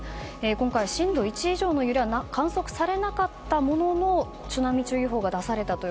今回震度１以上の揺れは確認されなかったものの津波注意報が発表されました。